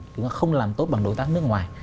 chúng ta không làm tốt bằng đối tác nước ngoài